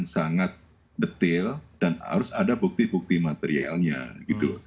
yang sangat detil dan harus ada bukti bukti materialnya gitu